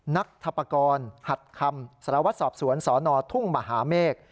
นักทับกรหัดคำสรวจสอบสวนสนทุ่งมหาเมฆ